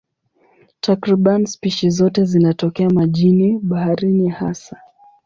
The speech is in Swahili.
Takriban spishi zote zinatokea majini, baharini hasa.